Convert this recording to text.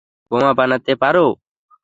বোমা বানাতে পারো?